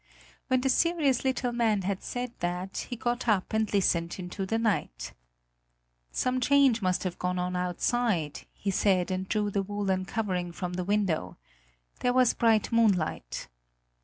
When the serious little man had said that, he got up and listened into the night. "Some change must have gone on outside," he said, and drew the woolen covering from the window. There was bright moonlight.